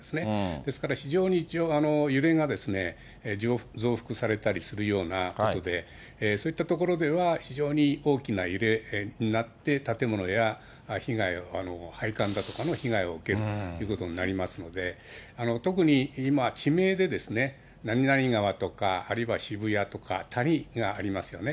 ですから、非常に揺れが増幅されたりするような所で、そういった所では、非常に大きな揺れになって、建物や被害、配管だとかの被害を受けるということになりますので、特に今、地名で何々川とか、あるいは渋谷とか、谷がありますよね。